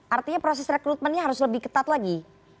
artinya proses rekrutmennya harus lebih ketat lagi